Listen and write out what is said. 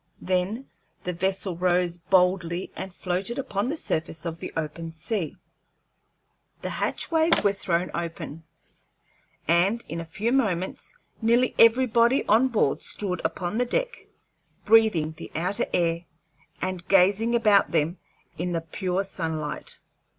Then the vessel rose boldly and floated upon the surface of the open sea. The hatchways were thrown open, and in a few moments nearly everybody on board stood upon the upper deck, breathing the outer air and gazing about them in the pure sunlight.